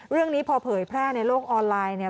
เรื่องนี้พอเผยแพร่ในโลกออนไลน์เนี่ย